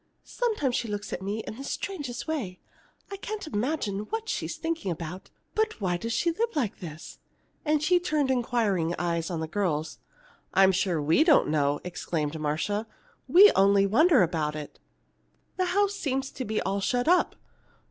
Sometimes she looks at me in the strangest way I can't imagine what she's thinking about. But why does she live like this?" and she turned inquiring eyes on the girls. "I'm sure we don't know!" exclaimed Marcia. "We only wonder about it. The house seems to be all shut up."